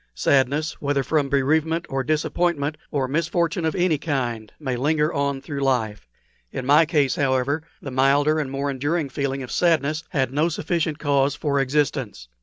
Sadness, whether from bereavement, or disappointment, or misfortune of any kind, may linger on through life. In my case, however, the milder and more enduring feeling of sadness had no sufficient cause for existence.